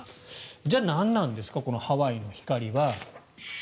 じゃあ、何なんですかこのハワイの光は。